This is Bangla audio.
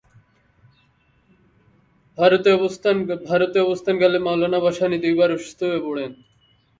ভারতে অবস্থানকালে মওলানা ভাসানী দুইবার অসুস্থ হয়ে পড়েন।